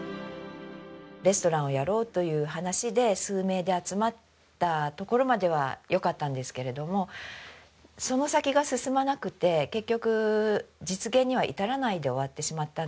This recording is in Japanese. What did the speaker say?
レストランをやろうという話で数名で集まったところまではよかったんですけれどもその先が進まなくて結局実現には至らないで終わってしまったんですね。